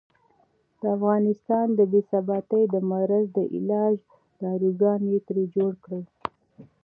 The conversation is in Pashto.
د افغانستان د بې ثباتۍ د مرض د علاج داروګان یې ترې جوړ کړل.